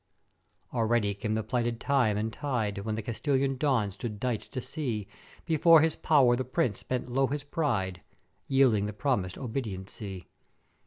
"Already came the plighted time and tide, when the Castilian Don stood dight to see, before his pow'er the Prince bend low his pride, yielding the promisèd obediency.